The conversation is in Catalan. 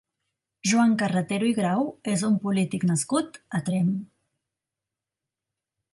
Joan Carretero i Grau és un polític nascut a Tremp.